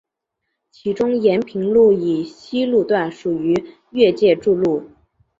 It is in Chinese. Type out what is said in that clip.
其中延平路以西路段属于越界筑路。